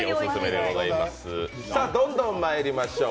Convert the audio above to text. どんどんまいりましょう。